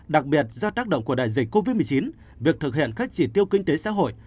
đặc biệt do tác động của đại dịch covid một mươi chín việc thực hiện các chỉ tiêu kinh tế xã hội